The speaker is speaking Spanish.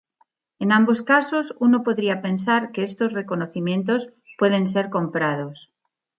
En ambos casos, uno podría pensar que estos reconocimientos pueden ser comprados.